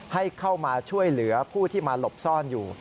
ให้เข้ามาช่วยเหลือผู้ที่มาหลบซ่อนอยู่